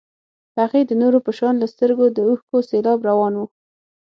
هغې د نورو په شان له سترګو د اوښکو سېلاب روان و.